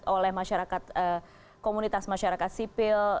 oleh masyarakat komunitas masyarakat sipil